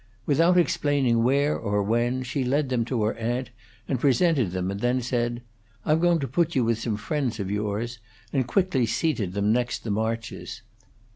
Without explaining where or when, she led them to her aunt and presented them, and then said, "I'm going to put you with some friends of yours," and quickly seated them next the Marches.